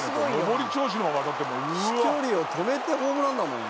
「飛距離を止めてホームランだもんな」